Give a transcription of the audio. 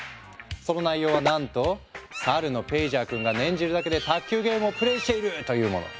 その内容はなんと猿のペイジャー君が念じるだけで卓球ゲームをプレイしている！というもの。